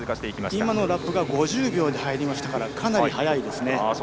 今のラップが５０秒で入ったのでかなり速いですね。